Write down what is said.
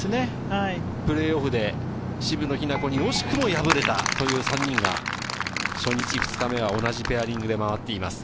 プレーオフで渋野日向子に惜しくも敗れたという３人が初日、２日目は同じペアリングで回っています。